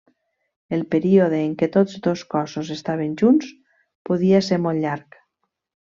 El període en què tots dos cossos estaven junts podia ser molt llarg.